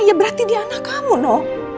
ya berarti dia anak kamu no